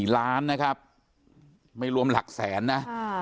๔ล้านนะครับไม่รวมหลักแสนนะ